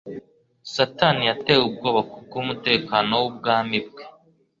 Satani yatewe ubwoba kubw'umutekano w'ubwami bwe